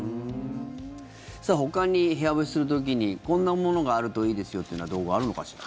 ほかに部屋干しする時にこんなものがあるといいですよっていうような道具はあるのかしら？